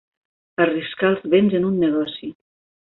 Arriscar els béns en un negoci.